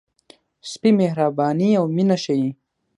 سپي مهرباني او مینه ښيي.